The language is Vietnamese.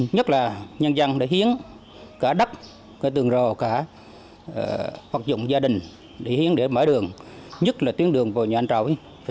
nhất là nhân dân đã hiến cả đất cả tường rồ cả hoạt dụng gia đình để hiến để mở đường nhất là tuyến đường vào nhà anh trọng